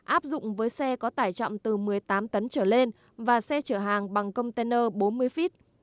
áp dụng với xe có tải trọng từ một mươi tám tấn trở lên và xe chở hàng bằng container bốn mươi feet